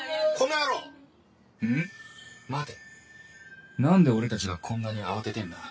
なんで俺たちがこんなに慌ててんだ？